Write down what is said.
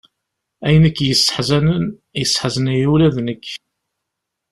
Ayen i k-yesseḥzanen, yesseḥzan-iyi ula d nekk.